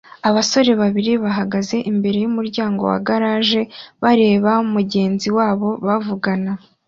Abasore babiri bahagaze imbere yumuryango wa garage bareba mugenzi wabo bavugana